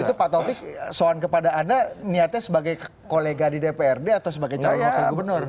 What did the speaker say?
itu pak taufik soan kepada anda niatnya sebagai kolega di dprd atau sebagai calon wakil gubernur